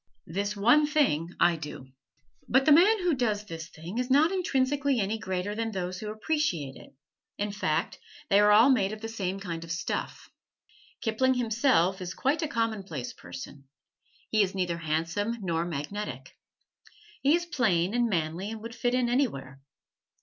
This one thing I do. But the man who does this thing is not intrinsically any greater than those who appreciate it in fact, they are all made of the same kind of stuff. Kipling himself is quite a commonplace person. He is neither handsome nor magnetic. He is plain and manly and would fit in anywhere.